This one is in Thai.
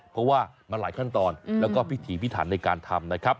เพราะว่ามันหลายขั้นตอนแล้วก็พิถีพิถันในการทำนะครับ